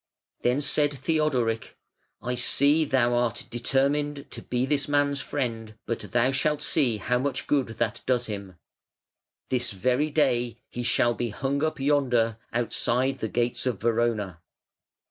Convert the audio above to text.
Then said Theodoric: "I see thou art determined to be this man's friend; but thou shalt see how much good that does him. This very day he shall be hung up yonder outside the gates of Verona".